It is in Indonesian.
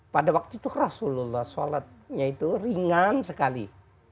pada waktu itu rasulullah sholatnya itu ringan sekali